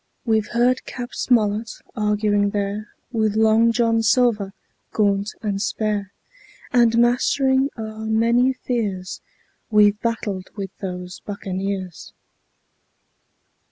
We've heard Cap. Smollett arguing there With Long John Silver, gaunt and spare, And mastering our many fears We've battled with those buccaneers.